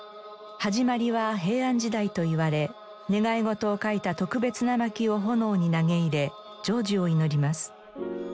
始まりは平安時代といわれ願い事を書いた特別な薪を炎に投げ入れ成就を祈ります。